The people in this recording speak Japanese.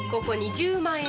１０万円？